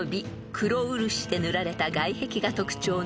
［黒漆で塗られた外壁が特徴の松本城］